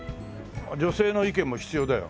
女性の意見も必要だよ。